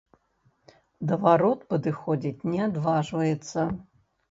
Да варот падыходзіць не адважваецца.